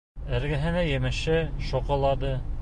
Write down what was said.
Эргәһенә емеше, шоколады.